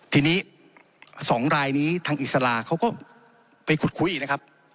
ทีนี้๒รายนี้ทางอิสลาเขาก็ไปขุดคุยอีกนะครับ